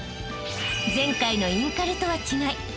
［前回のインカレとは違い